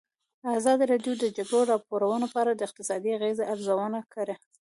ازادي راډیو د د جګړې راپورونه په اړه د اقتصادي اغېزو ارزونه کړې.